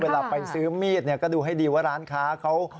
เวลาไปซื้อมีดเนี่ยก็ดูให้ดีว่าร้านค้าเขา